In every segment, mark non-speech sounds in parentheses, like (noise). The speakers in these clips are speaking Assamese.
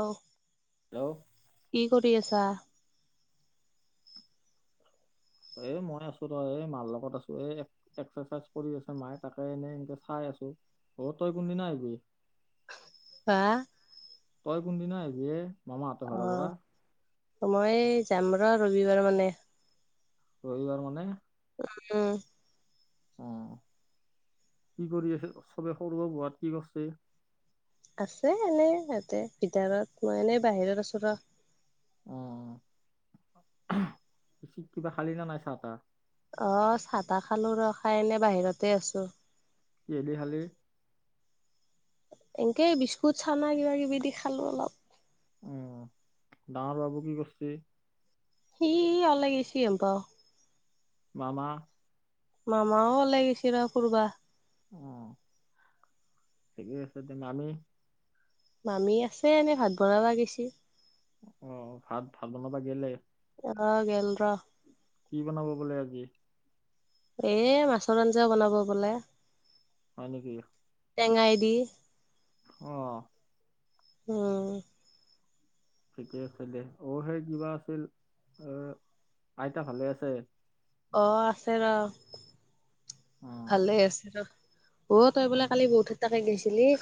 অঁ। হেল্ল', কি কৰি আছা? এ মই আছো তই এ মাৰ লগত আছো এ এক্সাৰচাইজ কৰি আছে মায়ে তাকে এনেই এনেকে চাই আছো অ তই কোনদিনা আহি। হা। তই কোনদিনা আহিবি এ। মামাহঁতৰ ঘৰৰ পৰা অ', মই যাম ৰ ৰবিবাৰ মানে ৰবিবাৰ মানে? উম। অ', কি কৰি আছে চবে সৰুৱ বহাত কি কৰিছে। আছে এনেই ইিহঁতে ভিতাৰত মই এনেই বাহিৰত আছোঁ ৰ উহ এহে কিবা খালি নে নাই, চাহ-তাহ। অ' চাহ-তাহ খালো ৰ'হ, খাই এনে বাহিৰতে আছো। কিহেদি খালি? এনেকে বিস্কুট চানা কিবা-কিবি দি খালো অলপ। অ' ডাঙৰ বাবু কি কৰচি? সি অলাগেচি অলপ। মামা? মামাও ওলাই গিছি ৰ'হ কৰোৱা অ' ঠিকেই আছে দে, মামী? মামী আছে, এনেই ভাত বনাবা গৈছি। অ' ভাত ভাত বনাবা গেলে। অ' গেল ৰ'হ। কি বনাব বোলে আজি? এ মাছৰ আঞ্জাও বনাব বোলে। হয় নেকি? টেঙাই দি। অ'। উম। ঠিকে আছে দে, অ' সেই কিবা আছিল, অ' আইতা ভালে আছে? অ' আছে ৰ'হ অ' ভালেই আছে। অ' তই বোলে কালি বহুত তাকে খাই গৈছিলি।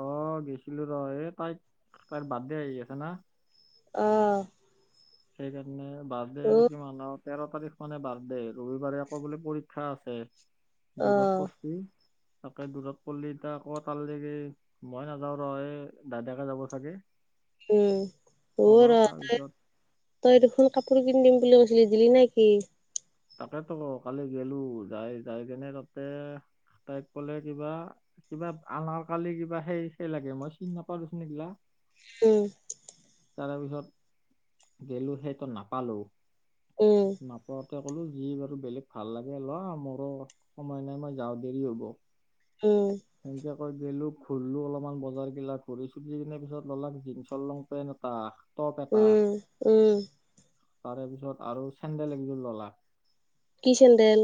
অ' গৈছিলো বাৰু এ তাই তাইৰ বাৰ্থডে আহি আছে না। অ'। সেইকাৰণে বাৰ্থডে অ', কিমানত? তেৰ তাৰিখ মানে বাৰ্থডে ৰবিবাৰে আকৌ বোলে পৰীক্ষা আছে। দূৰত অ', পৰছি, তাকে দূৰত পৰলি এটা আকৌ তাৰলেকে মই নাযাওঁ ৰ'হ, দাদাকে যাব চাগে। উম, হ'ব হ'বা ৰ'হ তাই তাৰপিছত তই দেখোন কাপোৰ কিনি দিম বুলি কৈছিলি, দিলি নে কি? তাকেটো কালি গেলো যাই যাই তেনে তাতে তাইক ক'লে কিবা কিবা আনৰ কালি কিবা সেই সেই লাগে, মই চিন নাপাৰোচোন এগিলা। উম। তাৰেপিছত গেলো সেইটো নাপালো, উম, নাপত তে কলো যি বাৰু বেলেগ ভাল লাগে ল মোৰো সময় নাই, মই যাওঁ দেৰি হ'ব। উম। সেনেকে কৈ গেলো ফুৰলো অলপমান বজাৰগিলাক ঘূৰি চুৰি কেনে পিছত ললাক জীন্ছৰ লংপেণ্ট এটা টপ এটা, উম, উম, তাৰে পিছত আৰু চেণ্ডেল একযোৰ ল'লা। কি চেণ্ডেল?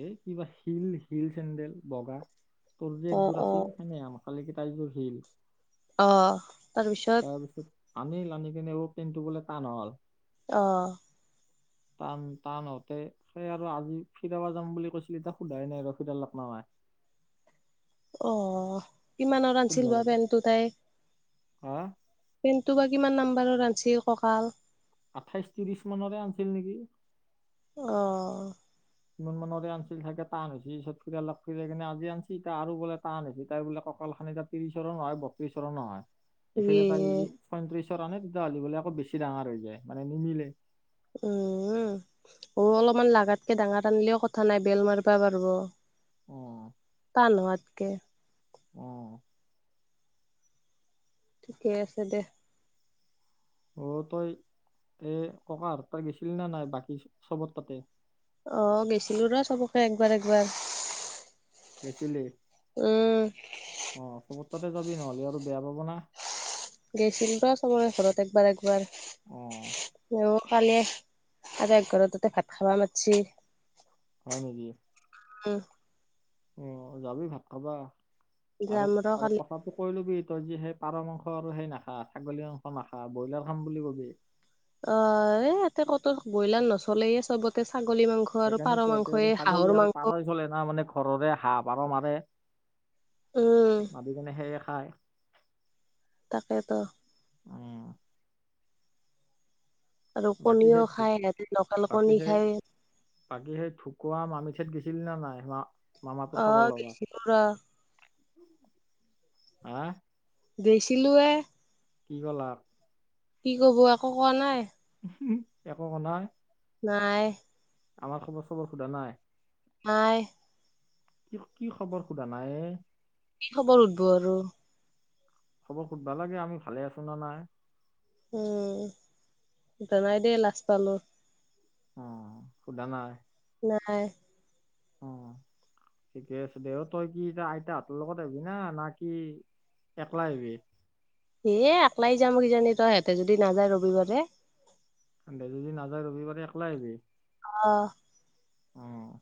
এ কিবা হিল হিল চেণ্ডেল বগা তোৰ যে অ', একযোৰ অ', আছিল। এনে আমাৰ কালি কেইটাইটো শিল, অ', তাৰপিছত তাৰপিছত আনিল আানি কেনেবোৰ পেণ্টো বোলে টান হ'ল। অহ'। টান টানতে সেই আৰু আমি কেতিয়াবা যাম বুলি কৈছিলি তাক সোধাই নাই ৰখি দে অলপ সময় অ' কিমানৰ সুধবা আনছিল বা লাগব পেণ্টো তাইৰ। হা পেণ্টো বা কিমান নাম্বাৰৰ আনিছিল কঁকাল আঠাইশ ত্ৰিশ মানৰে আনিছিল নেকি? অ'। ইমান মানৰে আনিছিল চাগে টান হৈছি তাৰপিছত এতিয়া অলপ ফিৰাই কিনে আজি আনিচি এতিয়া আৰু বোলে টান হৈছে, তাই বোলে কঁকাল খনি এতিয়া ত্ৰিশৰো নহয় বত্ৰিশৰো নহয় এইফালে তাৰ ইয়ে যদি ছয়ত্ৰিশৰ আনে তেতিয়া হলি বোলে আকৌ বেছি ডাঙৰ হৈ যায় মানে নিমিলে উম অ অলপমান লাগাতকে ডাঙৰ আনলিও কথা নাই বেল মাৰবা পাৰব অ টান হোৱাতকে অ ঠিকে আছে দে অ তই এই ককাহঁতৰ তাৰ গিছিল না নাই বাকী চবৰ তাতে অ গৈছিলো ৰ চবকে একবাৰ একবাৰ গৈছিলি উম অ চবত তাতে যাবি নহলে আৰু বেয়া পাব না গৈছিলতো চবৰে ঘৰত একবাৰ একবাৰ অ অ কালিয়ে আৰু এক ঘৰত তাতে ভাত খাব মাতছি হয় নেকি উম উম যাবি ভাত খাবা আৰু যাম ৰ আৰু কালি। কথাটো কই লবি তই যি সেই পাৰ মাংস আৰু সেই নাখা ছাগলী মাংস নাখা ব্ৰইলাৰ খাম বুলি কবি অ এ ইয়াতে কতো ব্ৰইলাৰ নচলেয়ে চবতে ছাগলী মাংস আৰু সেইকাৰণে পাৰ তঁহতে মাংসয়ে আৰু হাঁহৰ ছাগলী আৰু মাংস। পাৰই চলে না মানে ঘৰৰে হাঁহ পাৰ মাৰে উম, মাৰি কিনে সেইয়ে খায় তাকেতো উম আৰু বাকী সেই কণীও ঢু- খায় সিহঁতে লোকেল বাকী কণী সেই খায় বাকী সেই ঢুকোৱা মামিৰ ঠাইত গৈছিলি নে নাই মা মামাটোৰ খবৰ অ', লবা গৈছিলোঁ ৰ, হোম-হোম-হোম, হা', গৈছিলোঁ এ', কি কৰলা? কি ক'ব? একো কোৱা নাই', উম-হোম, একো কোৱা নাই? নাই', আমাৰ খবৰ - চবৰ সোধা নাই? নাই', কি - কি খবৰ সোধা নাইয়ে? কি খবৰ শুধবো আৰু? খবৰ সোধবা লাগে, আমি ভালে আছোঁ না নাই? উমমমম, জনাই দেই, লাজ পালোঁ', অ', - সোধা নাই? নাই', অ (unintelligible) ঠিকে আছে দে, অ', তই কি এতিয়া আইতাহঁতৰ লগত আহিবি না, না কি একলাই আহিবি? এই', - একলাই যাম কিজানি তই সিহঁতে যদি নাযায় ৰবিবাৰে', সেনতে যদি নাযায় ৰবিবাৰে একলায়ে আহিবি? অহ', অহ',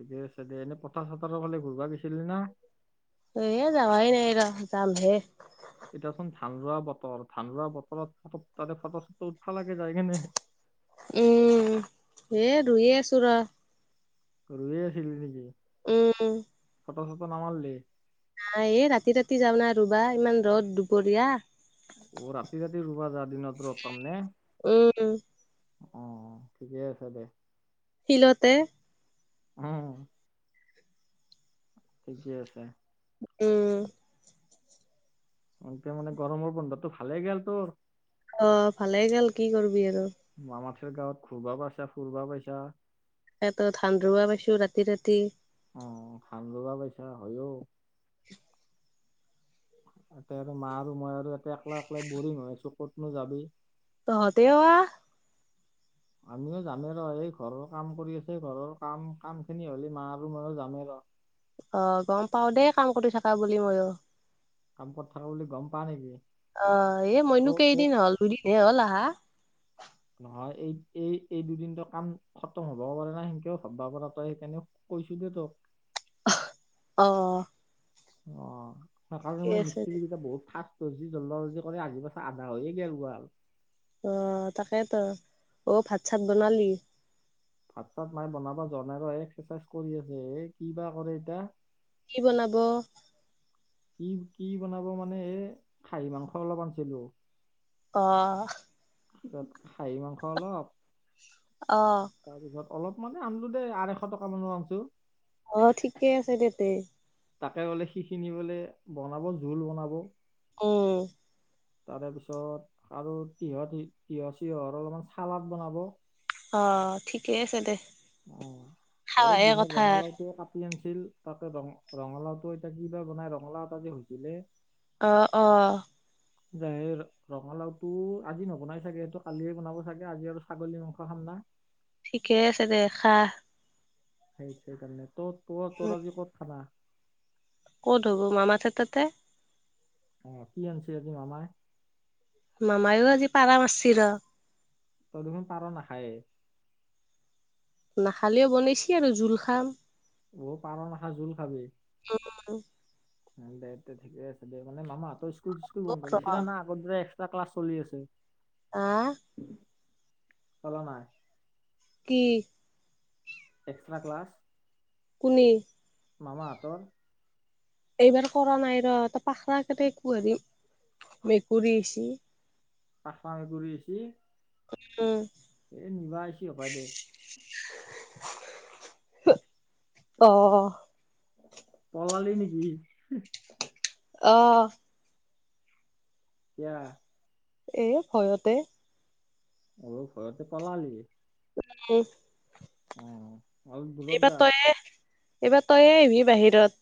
ঠিকে আছে দে, এনে পথাৰ - চথাৰৰ ফালে ঘূৰবা গিছিলি না? এই যাৱাই নাই ৰ, যাম হে', এতিয়াচোন ধান ৰোৱা বতৰ, ধান ৰোৱা বতৰত ফ', তাতে ফটো - চটো উঠফা লাগি যায় কিনে', উম', হে ৰুইয়ে আছোঁ ৰ', ৰুইয়ে আছিল নিকি? উম', ফটো - চটো নামাৰলি', আহ', - এই', ৰাতি - ৰাতি যাও না ৰোবা, ইমান ৰ'দ দুপৰীয়া', উম', -ও', ৰাতি - ৰাতি ৰুবা যাবি, দিনত ৰ'দ কাৰণে? উম', - উম', অ', ঠিকে আছে দে', শিলতে', হুমহুমহুম', ঠিকে আছে', উম', এনকে মানে গৰমৰ বন্ধতটো ভালে গেল তোৰ? অ', ভালে গেল, কি কৰিবি আৰু', মামাহঁতৰ গাঁৱত ঘূৰবা পাইছা, ফুৰবা পাইছা', ইয়াতো ধান ৰোৱা পাইছোঁ ৰাতি - ৰাতি', অহ', ধান ৰোৱা পাইছা হয়ঔ', তাতে আৰু মা আৰু মই আৰু এতে একলা একলাই বৰিং হৈ আছোঁ, ক'তনো যাবি? তহঁতেও আহ', আমিও যামে ৰ, এই ঘৰৰ কাম কৰি আছে ঘৰৰ কাম - কাম খিনি হ'লে মা আৰু মইও যামে ৰ', অ', গম পাওঁ দেই, কাম কৰি থাকা বুলি মইও', কাম ক'ত থাকোঁ বুলি গম পাৱা নেকি? অহ', এই ত মইনো ত কেইদিন হ'ল, দুদিন এ', হ'ল আহা', নহয় এই এই এই দুদিনটো কাম খতম হ'বও পাৰা নাই সেনকেও ভাববা পাৰা তই সেইকাৰণেও কৈছোঁ দে তোক অহ, অ অ সেইকাৰণে ঠিকে মই আছে মিস্ত্ৰী দে কেইটাক বহুত ফাষ্ট তজি জললি কৰে আজি পাছ আধা হৈয়ে গ'ল গ আৰু অ তাকেটো অঔ ভাত চাত বনালি? ভাত চাত মাই বনাব যোৱা নাই ৰ' এক্সাৰচাইজ কৰি আছে এ কি বা কৰে এতিয়া? কি বনাব? কি কি বনাব মানে এ খাহী মাংস অলপ আনিছিলো। অহ। খাহী মাংস অলপ অ। তাৰপিছত অলপ মানে আনলো দে আঢ়ৈশ টকা মান আনছো। অ ঠিকে আছে দেতে। তাকে বোলে সিখিনি বোলে বনাব জোল বনাব। উম। তাৰে পিছত আৰু তিহ তিহৰ চিহৰ অলপমান চালাড বনাব। অ' ঠিকে আছে দে। অহ এই খাৱাহে দিনত কথা ৰঙালাউ আৰু টোও কাটি আনিছিল। তাতে ৰঙ ৰঙালাউ টোও এতিয়া কি বা বনাই ৰঙালাউ এটা যে হৈছিলে। অ' অহ। (unintelligible) ৰঙালাউ টোও আজি নবনাই চাগে এইটো কালিয়ে বনাব চাগে আজি আৰু ছাগলী মাংস খাম না। ঠিকে আছে দে খা। সেই সেইকাৰণে তোৰ তোৰ উম তোৰ আজি ক'ত খানা? ক'ত শুব মামা তাত তাতে? অ' কি আনিছিল আজি মামাই? মামাইও আজি পাৰা মাচি ৰ'। তই দেখোন পাৰ নাখায়ে। নাখালেও বনাইছি আৰু জোল খাম। অ পাৰ নাখাও জোল খাবি। উম। দে দে ঠিকে আছে দে মানে মামাহঁতৰ স্কুল চিস্কুল ৰ বন্ধ দিছি না না? সকলোৰে এক্সত্ৰা ক্লাছ চলি আছে। আহ চলা নাই? কি? Extra class? কোনি? মামাহঁতৰ। এইবাৰ কৰা নাই ৰ, তাপা খানা একো হেৰী মেকুৰী আহিছি। পাথা মেকুৰী আহিছি, উম এ নিবা আহিছি হপায় দে। অহ। পলালি নেকি? অ। কিয়া। এ ভয়তে অ', ভয়তে পলালি। মো অ অলপ দূৰত এইবাৰ যা তইয়ে এইবাৰ তইয়ে আহিবি বাহিৰত।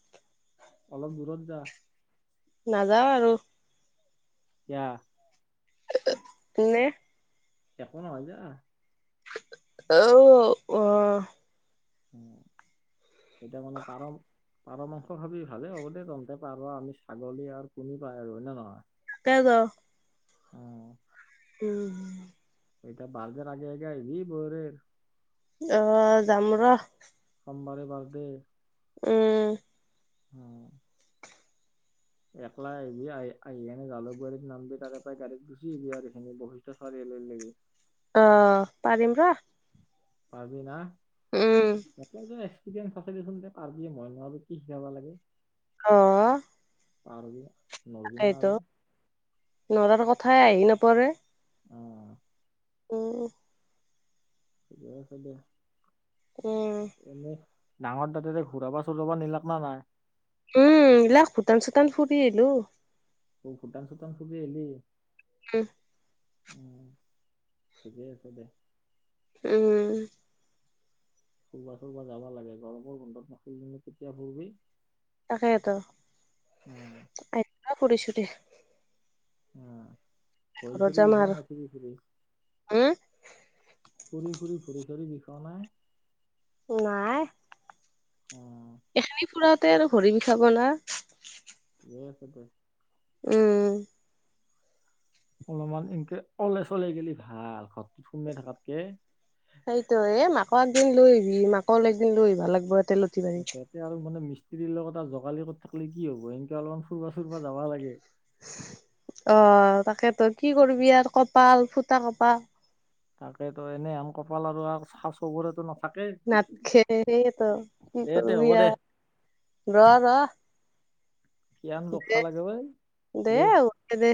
অলপ দূৰত যা। নাযাওঁ আৰু। কিয়া? এনে। একো নহয় যা। (unintelligible) অ'। (unintelligible) পাৰ মাংস খাবি ভালেই হ'ব দেই তন্তে পাৰ আমি ছাগলী আৰু কুনি পাই আৰু হয় না নহয়। (unintelligible) (inaudible) উম। এতিয়া বাৰ্থডেৰ আগে আগে আহবি বৌৰেৰ। অ', যাম ৰ। সোমবাৰে বাৰ দে। উম। উ (inaudible) একলাই আহিবি আহি আহি কেনে জালুকবাৰীত নামবি তাৰে পৰাই গাড়ীত গুচি আইভি আৰু এইখিনি বশিষ্ঠ চাৰিআলী লাগি। অ', পাৰিম ৰ। পাৰবি না (unintelligible) (unintelligible) দেচোন পাৰবি মই ন আৰু কি শিকাবা লাগে। অহ পাৰবি‌না। তাকেইতো নৰাৰ কথাই আহি নপৰে। অ'। উম উম। ঠিকে আছে দেই। উম। এনে ডাঙৰ দাদাৰে ঘূৰাবা চূৰাবা নিলাক না নাই। উম, লিলাকখ ভূটান চূটান ফুৰি আহিলোঁ। ব ভূটান চুটান ফুৰি আহিলি। উম। উম, ঠিকে আছে দে। উম। ফুৰবা চুৰবা যাবা লাগে গৰমৰ বন্ধত নখেলি কেতিয়া ফুৰবি। তাকেতো অ (unintelligible) ফুৰি চুৰি। উম, ভৰি ঘৰত চৰি যাম বিষয় আৰু, নাই ফুৰি ফুৰি। উম, ফুৰি ফুৰি ভূৰি চৰি বিষাও নাই। নাই। অ'। এখিনি ফুৰাতে আৰু ঘৰি বিষাব না। দে ফপে। উম। অলপমান এনকে অলে চলোই গেলি ভাল ঘৰটোত সোমে থকাতকে। সেইটো এ মাকৰ একদিন লৈ আহিবি মাকৰ একদিন লৈ আহিবা লাগিব একে লগে। তেতিয়া হ'লে মানে মি্ত্ৰীৰ লগত এটা জোগালি লগত থাকিলে কি হ'ব এনেকে অলপমান ফুৰিব - চুুৰিব যাবা লাগে। অ তাকেতো কি কৰিবি আৰু কপাল ফুটা কপাল। তাকেতো এনেই আম কপাল আৰু আনচা চবুৰে নক নাখেৰে তো কি দে কৰিব তে হ'ব দে আৰু ৰ ৰ। কিয়ান জগবা দে লাগে ঐ দে দে।